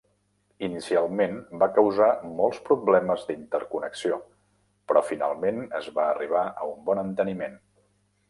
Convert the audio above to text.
Inicialment va causar molts problemes d'interconnexió però finalment es va arribar a un bon enteniment.